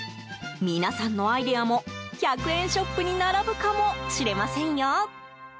皆さんのアイデアも１００円ショップに並ぶかもしれませんよ。